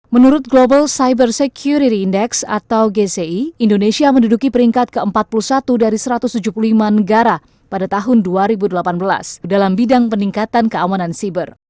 menurut global cyber security index atau gci indonesia menduduki peringkat ke empat puluh satu dari satu ratus tujuh puluh lima negara pada tahun dua ribu delapan belas dalam bidang peningkatan keamanan siber